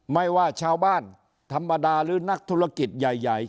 ไม่ว่าชาวบ้านธรรมดาหรือนักธุรกิจใหญ่